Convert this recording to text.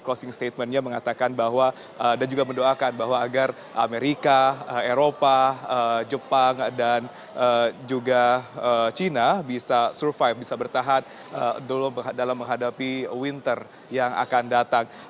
closing statementnya mengatakan bahwa dan juga mendoakan bahwa agar amerika eropa jepang dan juga china bisa survive bisa bertahan dalam menghadapi winter yang akan datang